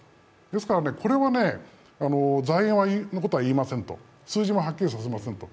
ですから、これは財源のことは言いませんと、数字もはっきりさせませんと。